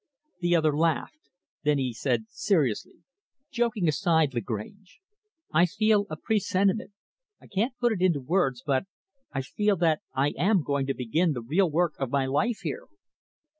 The other laughed. Then he said seriously, "Joking aside, Lagrange, I feel a presentiment I can't put it into words but I feel that I am going to begin the real work of my life right here.